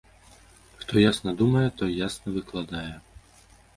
Хто ясна думае, той ясна выкладае.